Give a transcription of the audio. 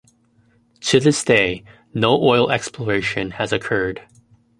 To this day, no oil exploration has occurred.